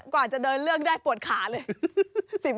กว่าจะเดินเลือกได้ปวดขาเลย